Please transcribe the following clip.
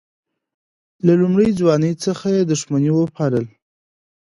له لومړۍ ځوانۍ څخه دښمني وپالل.